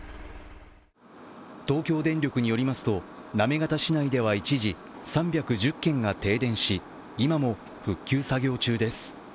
東京電力によりますと、行方市内では一時３１０軒が停電し、今も復旧作業中です。